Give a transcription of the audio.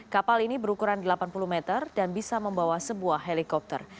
kapal ini berukuran delapan puluh meter dan bisa membawa sebuah helikopter